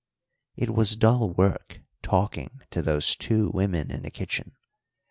It was dull work talking to those two women in the kitchen.